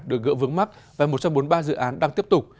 được gỡ vướng mắt và một trăm bốn mươi ba dự án đang tiếp tục